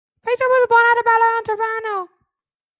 Wakestock was born out of Bala, Ontario.